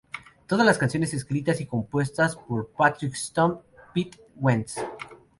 Todas las canciones escritas y compuestas por Patrick Stump, Pete Wentz.